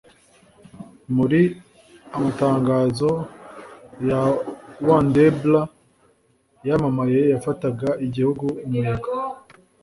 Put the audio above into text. Muri Amatangazo ya Wonderbra Yamamaye Yafataga Igihugu Umuyaga